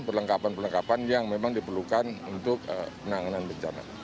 perlengkapan perlengkapan yang memang diperlukan untuk penanganan bencana